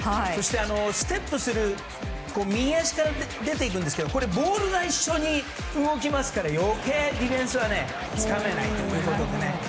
そしてステップ右足から出ていくんですけどボールが一緒に動くので余計にディフェンスはつかめないということで。